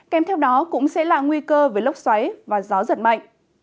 kèm theo đó cũng sẽ là nguy cơ với lốc xoáy và gió giật mạnh